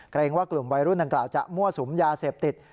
เกรงว่ากลุ่มวัยรุ่นดังกล่าวจะมั่วสุมยาเสพติด